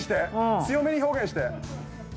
強めに表現して！